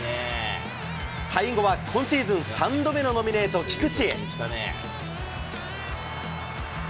最後は今シーズン３度目のノミネート、菊池。